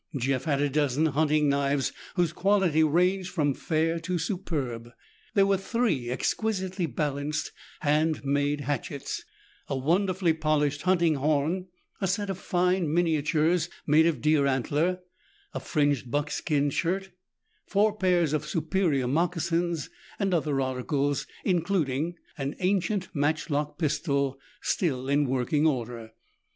Jeff had a dozen hunting knives whose quality ranged from fair to superb. There were three exquisitely balanced hand made hatchets, a wonderfully polished hunting horn, a set of fine miniatures made of deer antler, a fringed buckskin shirt, four pairs of superior moccasins and other articles, including an ancient matchlock pistol still in working order.